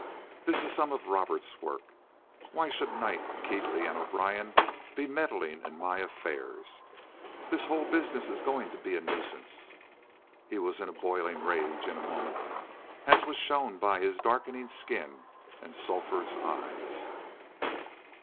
"This is some of Robert's work. Why should Knight, Keatley & O'Brien be meddling in my affairs? This whole business is getting to be a nuisance!" He was in a boiling rage in a moment, as was shown by his darkening skin and sulphurous eyes.